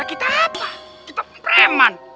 kenapa kita pereman